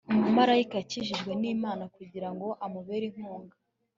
umumarayika yakijijwe n'imana kugirango amubere inkunga